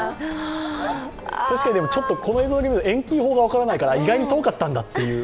確かに、この映像を見ると、遠近感が分からないから意外に遠かったんだっていう。